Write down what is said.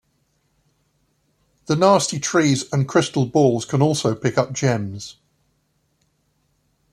The Nasty Trees and Crystal Balls can also pick up gems.